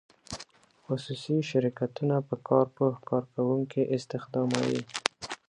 خصوصي شرکتونه په کار پوه کارکوونکي استخداموي.